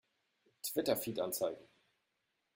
Twitter-Feed anzeigen!